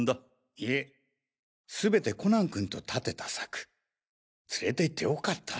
いえすべてコナン君とたてた策連れて行ってよかった。